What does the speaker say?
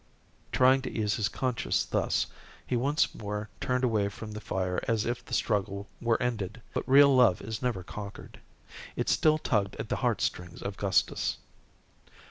Trying to ease his conscience thus, he once more turned away from the fire as if the struggle were ended, but real love is never conquered. It still tugged at the heart strings of Gustus.